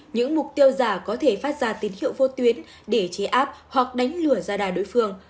những mục tiêu giả có thể phát ra tín hiệu vô tuyến để chế áp hoặc đánh lửa ra đài đối phương